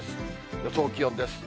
予想気温です。